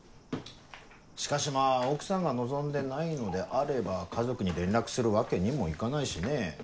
しかしまぁ奥さんが望んでないのであれば家族に連絡するわけにもいかないしねぇ。